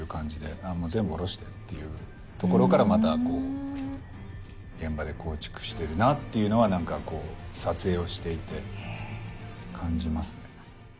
「全部おろして」っていうところからまた現場で構築してるなっていうのは撮影をしていて感じますね。